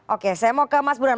oke saya mau ke mas burhan